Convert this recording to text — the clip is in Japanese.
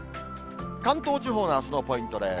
関東地方のあすのポイントです。